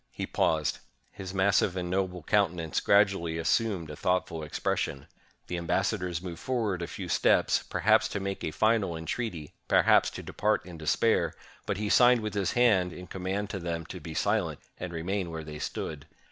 He paused. His massive and noble countenance grad ually assumed a thoughtful expression. The ambassa 537 ROME dors moved forward a few steps — perhaps to make a final entreaty, perhaps to depart in despair; but he signed with his hand, in command to them to be silent, and remain where they stood.